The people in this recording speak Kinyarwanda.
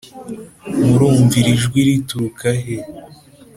Murumva iri jwi riturukahe ?